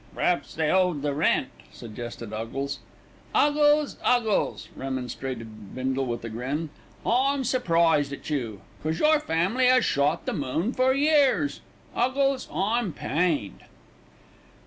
"P'r'aps they owed the rent," suggested Huggles. "'Uggles, 'Uggles," remonstrated Bindle with a grin, "I'm surprised at you. 'Cos your family 'as shot the moon for years 'Uggles, I'm pained."